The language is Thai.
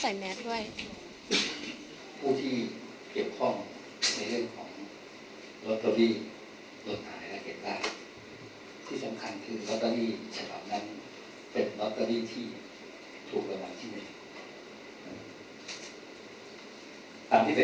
ที่สำคัญคือรอตเตอรี่เฉพาะนั้นเป็นรอตเตอรี่ที่ถูกระวังที่ไหน